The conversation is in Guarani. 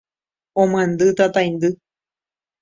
omyendy tataindy